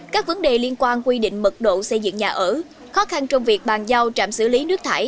các vấn đề liên quan quy định mật độ xây dựng nhà ở khó khăn trong việc bàn giao trạm xử lý nước thải